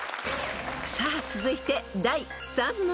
［さあ続いて第３問］